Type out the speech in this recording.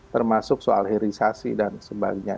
termasuk soal hirisasi dan sebagainya